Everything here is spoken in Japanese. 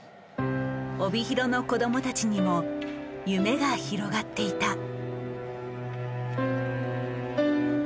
帯広の子どもたちにも夢が広がっていた。